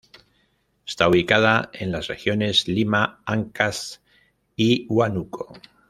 Está ubicada en las regiones Lima, Áncash y Huánuco.